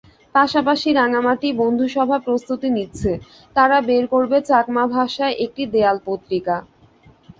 পাশাপাশি রাঙামাটি বন্ধুসভা প্রস্তুতি নিচ্ছে, তারা বের করবে চাকমা ভাষায় একটি দেয়াল পত্রিকা।